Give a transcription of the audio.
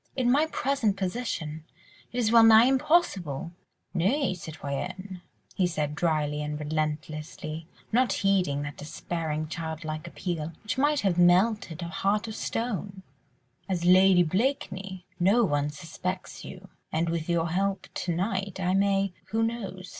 "In my present position, it is well nigh impossible!" "Nay, citoyenne," he said drily and relentlessly, not heeding that despairing, childlike appeal, which might have melted a heart of stone, "as Lady Blakeney, no one suspects you, and with your help to night I may—who knows?